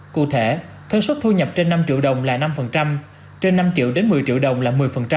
cụ thể thuế xuất thu nhập trên năm triệu đồng là năm trên năm triệu đến một mươi triệu đồng là một mươi